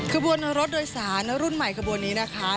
ขบวนรถโดยสารรุ่นใหม่ขบวนนี้นะคะ